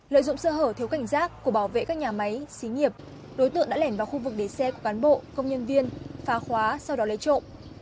lợi dụng sơ hở thiếu cảnh giác của bảo vệ các nhà máy xí nghiệp đối tượng đã lẻn vào khu vực để xe của cán bộ công nhân viên phá khóa sau đó lấy trộm